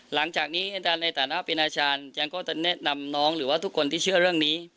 หลังจากนี้ในฐานะวพินาชาญฉันก็จะแนะนำน้องหรือว่าทุกคนที่เชื่อเรื่องนี้